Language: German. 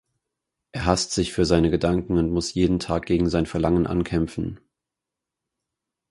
Er hasst sich für seine Gedanken und muss jeden Tag gegen sein Verlangen ankämpfen.